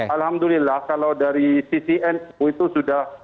alhamdulillah kalau dari ccn itu sudah